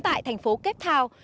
tại thành phố kếp thao